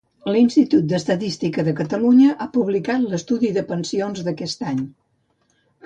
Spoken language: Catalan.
L'Institut d'Estadística de Catalunya ha publicat l'estudi de pensions d'aquest any.